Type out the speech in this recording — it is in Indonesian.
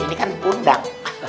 ini kan pundang